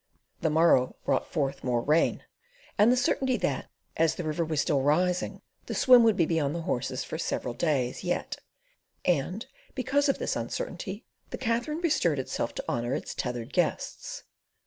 The morrow brought forth more rain, and the certainty that, as the river was still rising, the swim would be beyond the horses for several days yet; and because of this uncertainty, the Katherine bestirred itself to honour its tethered guests.